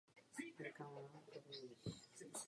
Musíme uplatnit základní nařízení, které tuto lhůtu umožní.